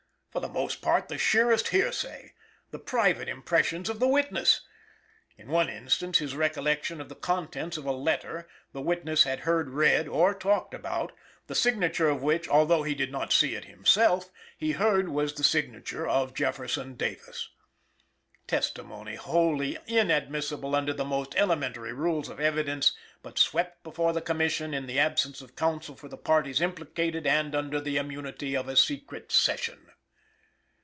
For the most part the sheerest hearsay! The private impressions of the witness! In one instance, his recollection of the contents of a letter the witness had heard read or talked about, the signature of which, although he did not see it himself, he heard was the signature of Jefferson Davis!! Testimony wholly inadmissible under the most elementary rules of evidence, but swept before the Commission in the absence of counsel for the parties implicated and under the immunity of a secret session.